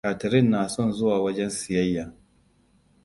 Catherin na son zuwa wajen siyayya.